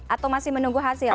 atau masih menunggu hasil